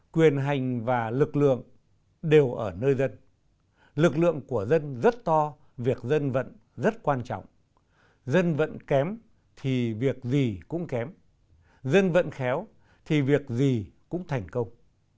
quyền hành và lực lượng đều ở nơi dân lực lượng của dân rất to việc dân vận rất quan trọng dân vận kém thì việc gì cũng kém dân vận khéo thì việc gì cũng thành công